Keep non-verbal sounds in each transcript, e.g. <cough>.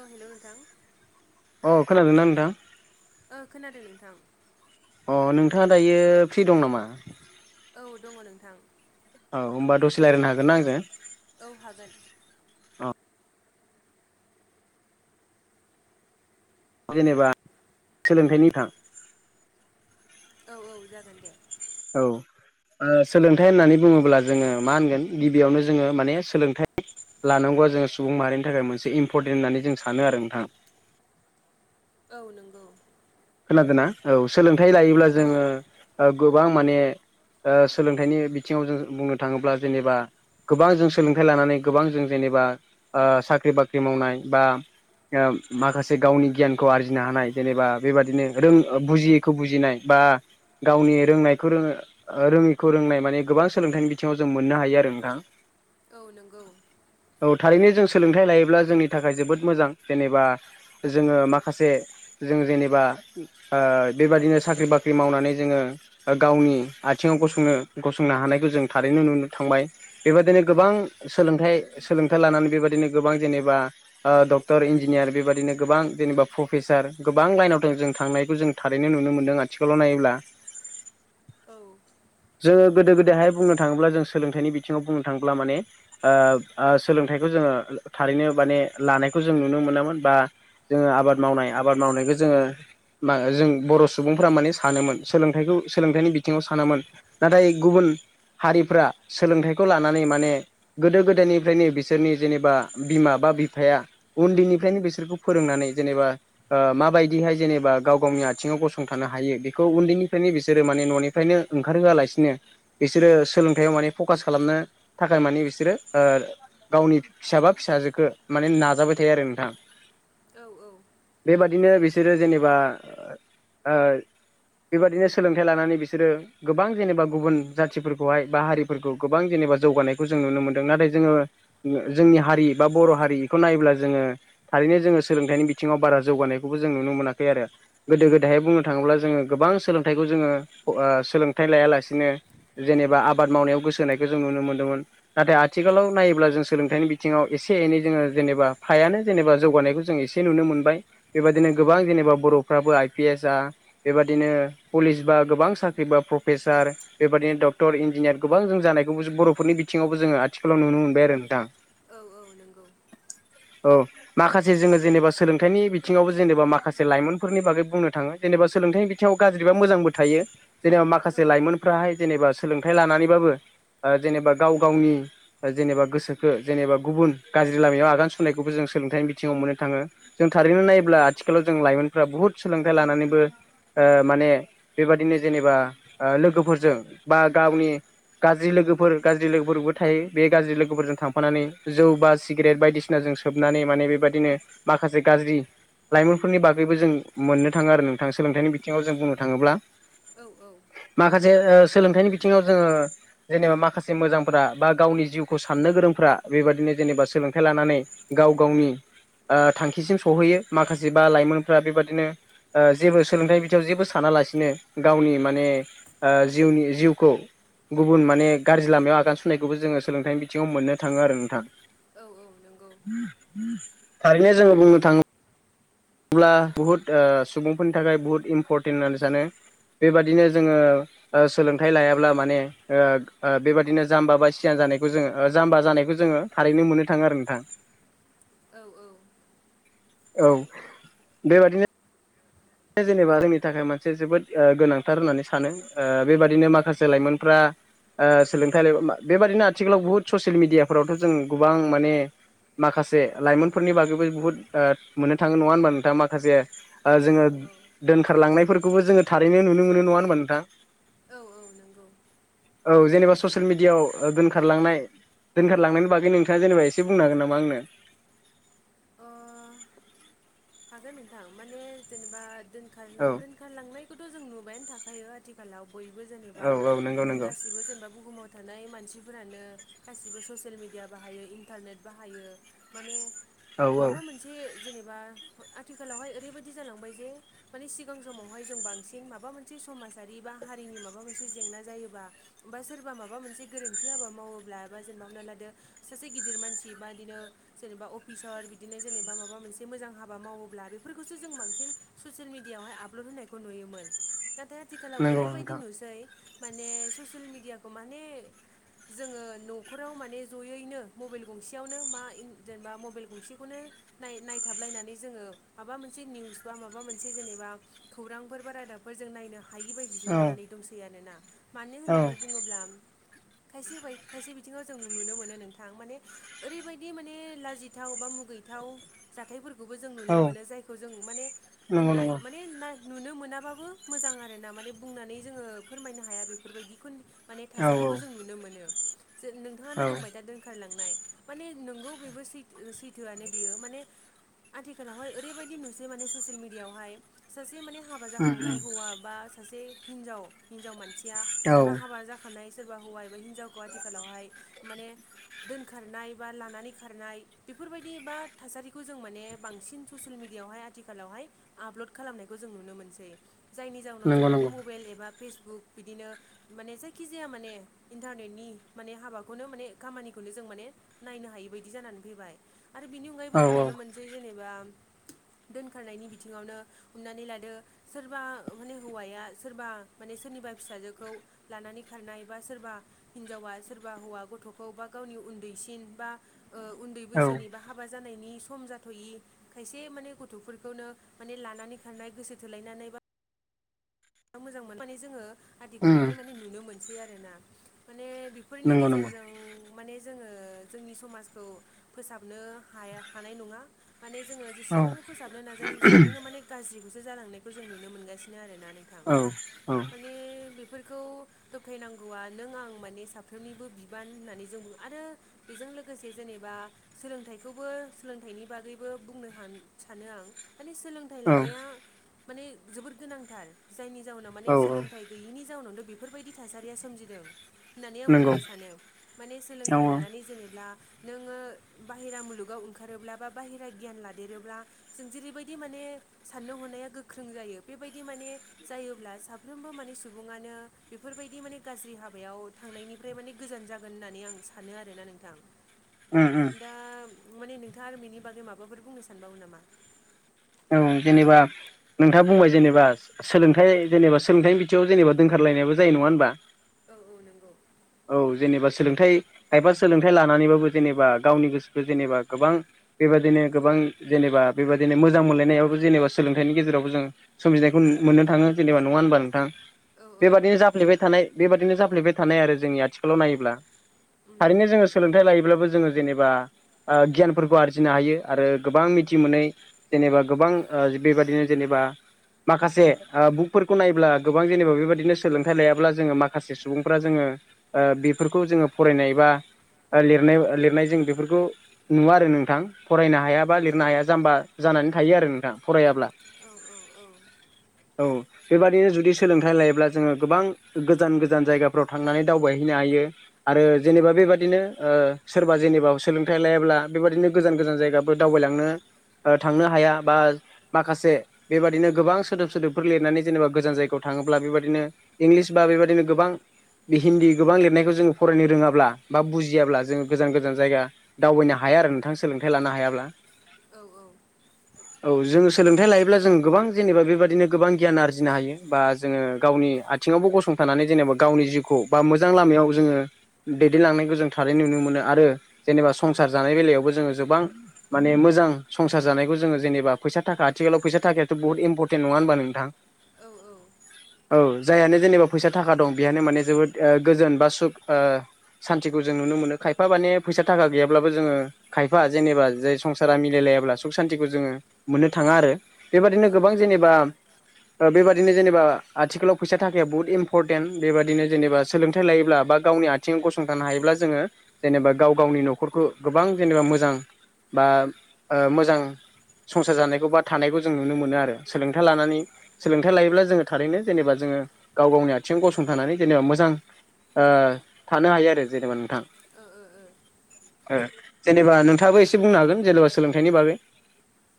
औ हेल' नोंथां अ खोनादोंना नोंथां? ओ खोनादों नोंथां अ नोंथाङा दायो फ्रि दं नामा औ दङ नोंथां औ होमबा दसे रायलायनो हागोनना आङो औ हागोन जेनेबा सोलोंथाइनि थां औ औ जागोन दे औ ओ सोलोंथाइ होननानै बुङोब्ला जोङो मा होनगोन गिबियावनो जोङो माने सोलोंथाइ लानांगौआ जोङो सुबुं माहारिनि थाखाय मोनसे इम्परटेन्ट होननानै जों सानो आरो नोंथां औ नोंगौ खोनादो ना औ सोलोंथाइ लायोब्ला औ जोङो ओ गोबां माने ओ सोलोंथाइनि बिथिङाव जों बुंनो थाङोब्ला जेनेबा गोबां जों सोलोंथाइ लानानै गोबां जों जेनेबा आ साख्रि बाख्रि मावनाय बा <unintelligible> माखासे गावनि गियानखौ आरजिनो हानाय जेनेबा बेबादिनो रों बुजियैखौ बुजिनाय बा गावनि रोंनायखौ रोङो ओ रोङिखौ रोंनाय माने गोबां सोलोंथाइनि बिथिङाव जों मोननो हायो आरो नोंथां औ नोंगौ औ थारैनो जों सोलोंथाइ लायोब्ला जोंनि थाखाय जोबोद मोजां जेनेबा जोङो माखासे जों जेनेब बा आ बेबदिनो साख्रि बाख्रि मावनानै जोङो गावनि आथिङाव गसंनो गसंनो हानायखौ जों थारैनो नुनो थांबाय बेबायदिनो गोबां सोलोंथाइ सोलोंथाइ लानानै बेबायदिनो गोबां जेनेबा ओ डक्टर, इन्जिनियार बेबादिनो गोबां जेनेबा प्रफेसार गोबां लाइनाव जों थांनायखौ जों थारैनो नुनो मोनदों आथिखालाव नायोब्ला। औ। जोङो गोदो गोदायहाय बुंनो थाङोब्ला जों सोलोंथाइनि बिथिङाव बुंनो थाङोब्ला माने ओ ओ सोलोंथाइखौ जोङो थारैनो माने लानायखौ जों नुनो मोनामोन बा जोङो आबाद मावनाय आबाद मावनायखौ जोङो मा जों बर' सुबुंफोरा माने सानोमोन सोलोंथाइखौ सोलोंथाइनि बिथिङाव सानोमोन। नाथाय गुबुन हारिफ्रा सोलोंथाइखौ लानानै माने गोदो गोदायनिफ्रायनो बिसोरनि जेनेबा बिमा बा बिफाया उन्दैनिफ्रायनो बिसोरखौ फोरोंनानै जेनेबा ओ माबायदिहाय जेनेबा गाव गावनि आथिङाव गसंथानो हायो बेखौ उन्दैनिफ्रायनो बिसोरो माने न'निफ्रायनो ओंखार होआलासिनो बिसोरो सोलोंथाइयाव माने फकास खालामनो थाखाय माने बिसोरो ओ गावनि फिसाबा फिसाजोखौ माने नाजाबाय थायो आरो नोंथां। औ औ। बेबादिनो बिसोरो जेनेबा ओ बेबादिनो सोलोंथाइ लानानै बिसोरो गोबां जेनेबा गुबुन जाथिफोरखौहाय बा हारिफोरखौ गोबां जेनेबा जौगानायखौ जों नुनो मोनदों नाथाय जोङो जोंनि हारि बा बर' हारि बेखौ नायोब्ला जोङो थारैनो जोङो सोलोंथाइनि बिथिङाव बारा जौगानायखौबो जों नुनो मोनाखै आरो। गोदो गोदायहाय बुंनो थाङोब्ला जोङो गोबां सोलोंथाइखौ जोङो ओ सोलोंथाइ लायालासिनो जेनेबा आबाद मावनायाव गोसो होनायखौ जों नुनो मोन्दोंमोन। नाथाय आथिखालाव नायोब्ला जों सोलोंथाइनि बिथिङाव एसे एनै जोङो जेनेबा फायानो जेनेबा जौगानायखौ जों एसे एसे नुनो मोनबाय बेबायदिनो गोबां जेनेबा बर'फ्राबो आइ पि एस जा बेबादिनो पुलिस बा गोबां साख्रि बा प्रफेसार बेबादिनो डक्टर, इन्जिनियार गोबां जों जानायखौबो बर'फोरनि बिथिङावबो जोङो आथिखालाव नुनो मोनबाय आरो नोंथां। औ औ नोंगौ। औ माखासे जोङो जेनेबा सोलोंथाइनि बि थिङावबो जेनेबा माखासे लाइमोनफोरनि बागै बुंनो थाङो जेनेबा सोलोंथाइनि बिथिङाव गाज्रि बा मोजांबो थायो। जेनेबा औ माखासे लाइमोनफ्राहाय जेनेबा सोलोंथाइ लानानैबाबो जेनेबा गाव गावनि जेनेबा गोसोखो जेनेबा गुबुन गाज्रि लामायाव आगान सुरनायखौबो जों सोलोंथाइनि बिथिङाव मोननो थाङो। जों थारैनो नायोब्ला औ आथिखालाव जों लाइमोनफोरा बुहुत सोलोंथाइ लानानैबो ओ माने बेबादिनो जेनेबा लोगोफोरजों बा गावनि गाज्रि लोगोफोर गाज्रि लोगोफोरबो थायो बे गाज्रि लोगोफोरजों थांफानानै जौ बा सिगारेट बायदिसि सिनाजों सोबनानै माने बेबायदिनो माखासे गाज्रि लाइमोनफोरनि बागैबो जों मोननो थाङो आरो नोंथां सोलोंथाइनि बिथिङाव जों बुंनो थाङोब्ला। औ औ। माखासे सोलोंथाइनि बिथिङाव जोङो जेनेबा माखासे मोजांफोरा बा गावनि जिउखौ साननो गोरोंफ्रा बेबादिनो जेनेबा सोलोंथाइ लानानै गाव गावनि ओ थांखिसिम सहैयो माखासे बा लाइमोनफोरा बेबादिनो ओ जेबो सोलोंथाइ बिथिङाव जेबो सानालासिनो गावनि माने ओ जिउनि जिउखौ गुबुन माने गाज्रि लामायाव आगान सुरनायखौबो जोङो सोलोंथाइनि बिथिङाव मोननो थाङो आरो नोंथां। औ औ नोंगौ। थारैनो जोङो बुंनो थाङो अब्ला बुहुत सुबुंफोरनि थाखाय बुहुत इम्परटेन्ट होननानै सानो बेबादिनो जोङो ओ सोलोंथाइ लायाब्ला माने ओ ओ बेबादिनो जाम्बा बा सियान जानायखौ जोङो जाम्बा जानायखौ जोङो थारैनो मोननो थाङो आरो नोंथां। औ औ। औ। बेबायदिनो जेनेबा जोंनि थाखाय मोनसे जोबोद ओ गोनांथार होननानै सानो बेबादिनो माखास से उम लाइमोनफ्रा ओ सोलोंथाइ बेबादिनो आथिखालाव बुहुत ससियेल मिडियाफोरावथ' जों गोबां माने माखासे लाइमोनफोरनि बागैबो बुहुत ओ मोननो थाङो नङा होनबा नोंथां? माखासे ओ औ जोङो दोनखारलांनायफोरखौबो जोङो थारैनो नुनो मोनो नङा होनबा नोंथां? औ औ नोंगौ। औ जेनेबा ससियेल मिडियाआव दोनखारलांनाय दोनखारलांनायनि बागै नोंथाङा जेनबा एसे बुंनो हागोन नामा आंनो? अ हागोन नोंथां माने जेनेबा औ दोनखारलांनायखौथ' जों नुबायानो थाखा यो आथिखालाव बयबो जेनबा औ औ नंगौ नंगौ गासिबो जेनेबा बुहुमाव थानाय मानसिफोरानो गासिबो ससियेल मिडिया बाहायो इन्टारनेट बाहायो। माने औ औ माबा मोनसे जेनेबा आथिखालावहाय ओरैबायदि जालांबाय जे माने सिगां समावहाय जों बांसिन माबा मोनसे समाजारि बा हारिनि माबा मोनसे जेंना जायोबा बा सोरबा माबा मोनसे गोरोन्थि हाबा मावोब्ला बा जेनबा हमना लादो सासे गिदिर मानसि बा बिदिनो जेनेबा अफिसार बिदिनो जेनेबा माबा मोनसे मोजां हा बा मावोब्ला बेफोरखौसो जों बांसिन ससियेल मिडियआवहाय आपल'ड होनायखौ नुयोमोन। नाथाय आथिखालाव नंगौ ओरैबायदि नोंथां नुसै माने ससियेल मेडियाखौ माने जोङो न'खराव माने जयैनो मबाइल गंसेयावनो मा जेनेबा मबाइल गंसेखौनो नाय-नायथाबलायनानै जोङो माबा मोनसे निउस बा माबा मोनसे जेनेबा खौरांफोर बा रादाबफोर जों नायनो हायो। हायि बायदिसो औ जानानै दंसै आरोना मानो औ होननानै बुङोब्ला खायसे बाय खायसे बिथिङाव जों नुनो मोनो नोंथां माने ओरैबायदि माने लाजिथाव बा मुगैथाव जाथायफोरखौ बो जों औ नुनो मोनो जायखौ जों माने <unintelligible> नंगौ बे नंगौ माने ना नुनो मोनाबाबो मोजां आरोना माने बुंनानै जोङो फोरमायनो हाया बेफोरबायदिखौ माने औ औ थासारिखौ जों नुनो मोनो औ जो-नोंथाङानो बुंबाय दा दोनखारलांनाय माने नोंगौ बेबो सैथ-सैथोआनो बियो माने आथिखालावहाय ओरैबायदि नुसै माने ससियेल मिडियाआवहाय सासे माने हाबा उम उम जाखांनाय हौवा बा सासे हिनजाव हिनजाव मानसिया औ सोरबा हाबा जाख खानाय सोरबा हौवा एबा हिनजावखौ आथिखालावहाय माने दोनखारनाय बा लानानै खारनाय बेफोरबायदि बा थासारिखौ जों माने बांसिन ससियेल मिडियायावहाय आथिखालावहाय आपलड खालामनायखौ जों नुनो मोनसै। जायनि जाउनाव जों नंगौ माने नंगौ मबाइल एबा फेसबुक बिदिनो माने जायखिजाया माने इन्टारनेटनि माने हाबाखौनो माने खामानिखौनो जों माने नायनो हायि बायदि जानानै फैबाय आरो बिनि अनगायैबो औ जों नुनो मोनसै जेनेबा दोनखारनायनि बिथिङावनो हमनानै लादो सोरबा माने हौवाया सोरबा माने सोरनिबा फिसाजोखौ लानानै खारनाय बा सोरबा हिनजावा सोरबा हौवा गथ'खौ बा गावनि उन्दैसिन बा ओ उन्दै औ बैसोनि बा हाबा जानायनि सम जा थ'यि खायसे माने गथ'फोरखौनो माने लानानै खारनाय गोसोथोलायनानै बा मोजां मोन माने जोङो उम आथिखालावहाय माने नुनो मोनसै आरोना माने फोरनि नंगौ नंगौ गेजेरजों माने जोङो जोंनि समाजखौ फोसाबनो हाया हानाय नङा माने जोङो औ जेसेबांनो औ फोसाबनो नाजायो इसेबांनो माने गाज्रिखौसो जालांनायखौ जों नुनो मोनगासिनो आरोना नों औ औ माने बेफोरखौ दबथायनांगौआ नों आं माने साफ्रोमनिबो बिबान होननानै जों बुङो आरो बेजों लोगोसे जेनेबा सोलोंथाइखौबो सोलोंथाइनि बागैबो बुंनो सानो आं माने सोलों सोलोंथाइ लानाया औ माने जोोबद गोनांथार जायनि जउनाव माने औ सोलोंथाइ गैयिनि जाउनावनो बेफोरबायदि थासारिया सोमजिदों होननानै आं नंगौ बुंनो सानो माने औ सोलोंथाइ लानानै जेनेबा नोङो बाहेरा मुलुगाव ओंखारोब्ला बा बाहेरा गियान लादेरोब्ला जों जेरैबायदि माने साननो हनाया गोख्रों जायो बेबायदि माने जायोब्ला साफ्रोमबो माने सुबुङानो बेफोरबायदि माने गाज्रि हाबायाव थांनायनिफ्राय माने गोजान जागोन होननानै आं सानो आरोना नोंथां उम उम दा माने नोंथाङा आरो बेनि बागै माबाफोर बुंनो सानबावो नामा औ जेनेबा नोंथाङा बुंबाय जेनेबा सोलोंथाइ जेनेबा सोलोंथाइनि बिथिआव जेनेबा दोंखारलायनायाबो जायो नङा होनबा औ औ नंगौ औ जेनेबा सोलोंथाइ खायफा सोलोंथाइ लानानैबाबो जेनेबा गावनि गोसोखौ जेनेबा गोबां बेबायदिनो गोबां जेनेबा बेबायदिनो मोजां मोजां मोनलायनायाबो जेनेबा सोलोंथाइनि गेजेरावबो जों सोमजिनायखौ मोननो थाङो जेनेबा नङा होनबा नोंथां औ औ बेबादिनो जाफ्लेबाय थानाय बेबादिनो जाफ्लेबाय थानाय आरो जोंनि आथिखालाव नायोब्ला उम थारैनो उम जोङो सोलोंथाइ लायोब्लाबो जोङो जेनेबा गियानफोरखौ आरजिनो हायो आरो गोबां मिथि मोनै जेनेबा गोबां बेबायदिनो जेनेबा माखासे बुकफोरखौ नायब्ला गोबां जेनेबा बेबायदिनो सोलोंथाइ लायाब्ला जोङो माखासे सुबुंफोरा जोङो बेफोरखौ जोङो फरायनाय बा लिरनाय लिरनाय जों बेफोरखौ नुवा आरो नोंथां फरायनो हायाबा लिरनो हाया जाम्बा जानानै थायो आरो नोंथां फरायाब्ला औ औ औ औ बेबदिनो जुदि सोलोंथाइ लायोब्ला जोङो गोबां गोजान गोजान जायगाफ्राव थांनानै दावबायहैनो हायो आरो जेनेबा बेबदिनो सोरबा जेनेबा सोलोंथाइ लायाब्ला बेबदिनो गोजान गोजान जायगा दावबायलांनो थांनो हाया बा माखासे बेबादिनो गोबां सोदोब सोदोबफोर लिरनानै जेनेबा गोजान जायगायाव थाङोब्ला बेबादिनो इंल्गिस बा बेबादिनो गोबां बे हिन्दी गोबां लिरनायखौ जोङो फरायनो रोङाब्ला बा बुजियाब्ला जोङो गोजान गोजान जायगा दावबायनो हाया आरो नोंथां सोलोंथाइ लानो हायाब्ला औ औ औ जोङो सोलोंथाइ लायोब्ला जों गोबां जेनेबा बेबदिनो गोबां गियान आरजिनो हायो बा जोङो गावनि बिथिङावबो गसंथानानै जेनेबा गावनि जिउखौ बा मोजां लामायाव जोङो दैदेनलांनायखौ जों थारै नुनो मोनो आरो जेनेबा संसार जानाय बेलायावबो जोङो गोबां माने मोजां संसार जानायखौ जोङो जेनेबा फैसा थाखा आथिखालाव फैसा थाखायाथ' बहुत इमपरटेनट नङा होनबा नोंथां औ औ औ जायहानो जेनेबा फैसा थाखा दं बेहानो माने जोबोद ओ गोजोन बा सुख ओ सान्तिखौ जों नुनो मोनो खायफा माने फैसा थाखा गैयाब्लाबो जोङो खायफा जेनेबा जाय संसारा मिलायलाया ब्ला सुख शान्तिखौ जोङो मोननो थाङा आरो बेबायदिनो औ गोबां जेनेबा <inaudible> बेबाददिनो जेनेबा आथिखालाव फैसा थाखाया बहुत इम्परटेन्ट बेबायदिनो जेनेबा सोलोंथाय लायोब्ला बा गावनि आथि बिथिङाव गसंथानो हायोब्ला जोङो जेनेबा गाव गावनि न'खरखौ गोबां जेनेबा मोजां <unintelligible> ओ मोजां संसार जानायखौ बा थानायखौ जों नुनो मोनो आरो सोलोंथा लानानै सोलोंथाइ लायोब्ला जोङो थारैनो जेनेबा जोङो गाव गावनि आथिङाव गसंथानानै जेनेबा मोजां ओ थानो हायो आरो जेनेबा नोंथां। ओ-ओ-ओ। ओ जेनेबा नोंथाङाबो एसे बुंनो हागोन जेनेबा सोलोंथाइनि बागै।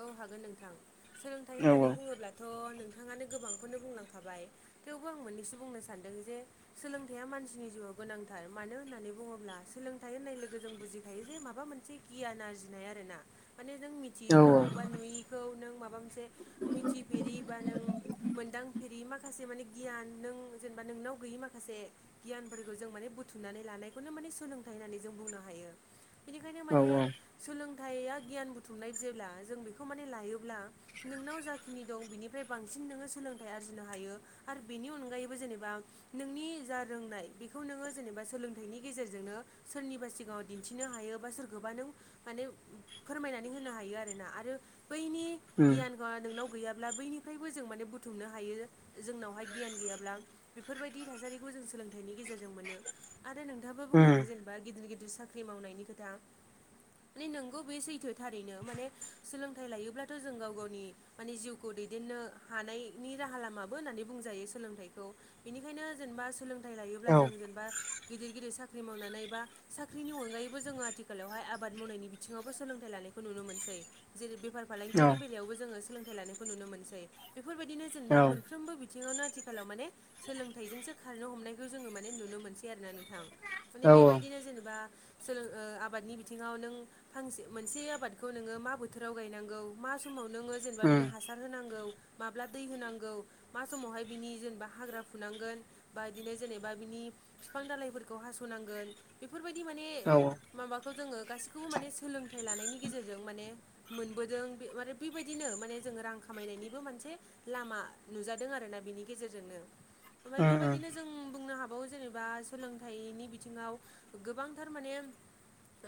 औ हागोन नोंथां सोलोंथाइ औ होननानै बुङोब्लाथ' नोंथाङानो गोबांखौनो बुंलांखाबाय। थेवबो आं मोननैसो बुंनो सानदों जे सोलोंथाइया मानसिनि जिउआव गोनांथार मानो होननानै बुङोब्ला सोलोंथाइ होननाय लोगो जों बुजिखायो जे माबा मोनसे गियान आरजिनाय आरो ना माने जों औ मिथियैखौ बा नुयैखौ नों माबा मोनसे मिथिफेरि बा नों मोनदांफेरि माखासे माने गियान नों जेनेबा नोंनाव गैयि माखासे गियानफोरखौ जों माने बुथुमनानै लानायखौनो माने सोलोंथाइ होननानै जों बुंनो हायो। बेनिखायनो औ माने औ सोलोंथाइया गियान बुथुमनाय जेब्ला जों बेखौ माने लायोब्ला नोंनाव जाखिनि दं बिनिफ्राय बांसिन नोङो सोलोंथाइ आरजिनो हायो। आरो बेनि अनगायैबो जेनेबा नोंनि जा रोंनाय बेखौ नोङो जेनेबा सोलोंथाइनि गेजेरजोंनो सोरनिबा सिगाङाव दिन्थिनो हायो बा सोरखोबा नों माने फोरमायनानै हो नो हायो ना आरो बैनि उम गियान बा नोंनाव गैयाब्ला बैनिफ्रायबो जों माने बुथुमनो हायो जोंनावहाय गियान गैयाब्ला बेफोरबायदि थासारिखौ जों सोलोंथाइनि गेजेरजों मोनो। आरो नोंथाङाबो उम बुंलांदों जेनेबा गिदिर-गिदिर साख्रि मावनायनि खोथा माने नोंगौ बे सैथो थारैनो माने सोलोंथाइ लायोब्लाथ' जों गाव-गावनि माने जिउखौ दैदेननो हानायनि राहा लामाबो होननानै बुंजायो। सोलोंथाइखौ बेनिखायनो जेनेबा सोलोंथाइ लायोब्ला औ जों जेनेबा गिदिर-गिदिर साख्रि मावनानै बा साख्रिनि अनगायैबो जोङो आथिखालावहाय आबाद मावनायनि बिथिङावबो सोलोंथाइ लानाय खौ नुनो मोनसै जेरै बेफार औ फालांगिनि बेलायावबो जोङो सोलोंथाइ लानायखौ नुनो मोनसै। बेफोरबायदिनो जेनेबा औ मोनफ्रोमबो बि थिङावनो आथिखालाव माने सोलोंथाइजोंसो खारनो हमनायखौ जोङो माने नुनो मोनसै आरो ना नोंथां। माने औ औ बेबायदिनो जेनेबा सोलों ओ आबादनि बिथिङाव नों फांसे मोनसे आबादखौ नोङो मा बोथोराव गायनांगौ मा समाव नोङो जेनेबा उम बिनो हासा सार होनांगौ माब्ला दै होनांगौ मा समावहाय बिनि जेनेबा हाग्रा फुनांगोन बा इदिनो जेनेबा बिनि बिफां दलाइफोरखौ हास'नांगोन बेफोरबायदि माने औ औ माबाखौ जोङो गासिखौबो माने सोलोंथाइ लानायनि गेजेरजों माने मोनबोदों बे आरो बेबायदिनो माने जोङो रां खामायनायनिबो मोनसे लामा नुजादों आरोना बिनि गेजेरजोंनो ओमफाय उम बेबायदिनो जों बुंनो हाबावौ जेनेबा सोलोंथाइनि बिथिङाव गोबांथार माने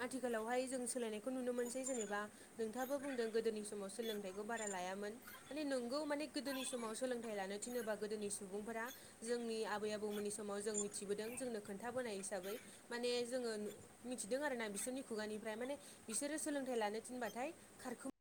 आथिखालावहाय जों सोलायनायखौ नुनो मोनस ऐ जेनेबा नोंथाङाबो बुंदों गोदोनि समाव सोलोंथाइखौ बारा लायामोन। माने नोंगौ माने गोदोनि समाव सोलोंथाइ लानो थिनोबा गोदोनि सुबुंफोरा जोंनि आबै आबौमोननि समाव जों मिथिबोदों जोंनो खोन्थाबोनाय हिसाबै। माने जोङो नु मिथिदों आरोना बिसोरनि खुगानिफ्राय माने बिसोरो सोलों थाय लानो थिनबाथाय खारखु